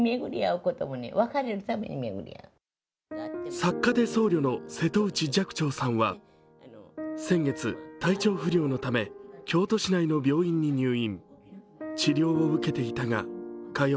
作家で僧侶の瀬戸内寂聴さんは先月、体調不良のため京都市内の病院に入院。